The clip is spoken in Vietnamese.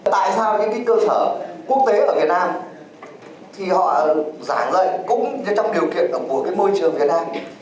tại sao cơ sở quốc tế ở việt nam thì họ giảng dạy cũng trong điều kiện của môi trường việt nam